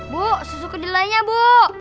bu susu kedelainya bu